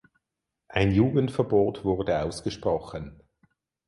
Ein Jugendverbot wurde ausgesprochen.